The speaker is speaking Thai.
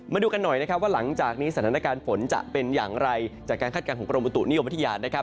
มาดูกันหน่อยนะครับว่าหลังจากนี้สถานการณ์ฝนจะเป็นอย่างไรจากการคาดการณ์ของกรมบุตุนิยมวิทยานะครับ